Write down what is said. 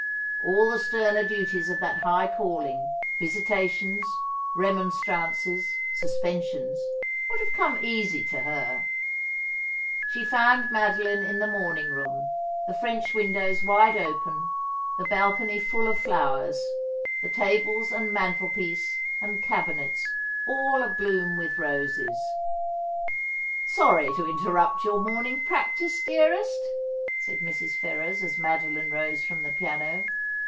All the sterner duties of that high calling — visitations, remonstrances, suspensions — would have come easy to her. She found Madoline in the morning room, the French win dows wide open, the balcony full of flowers, the tables and mantelpiece and cabinets all abloom with roses. ^His Herte bathed in a Bath 0/ Blisse.' 85 ' Sorry to interrupt your morning practice, dearest,' said Mrs. Ferrers as Madeline rose from the piano.